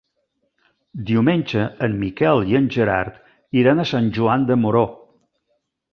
Diumenge en Miquel i en Gerard iran a Sant Joan de Moró.